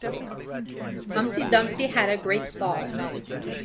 Humpty Dumpty had a great fall.